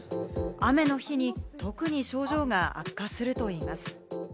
雨の日に特に症状が悪化するといいます。